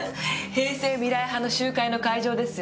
平成未来派の集会の会場ですよ。